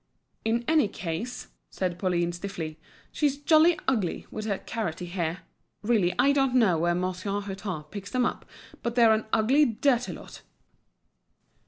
"In any case," said Pauline, stiffly, "she's jolly ugly, with her carroty hair. Really, I don't know where Monsieur Hutin picks them up, but they're an ugly, dirty lot."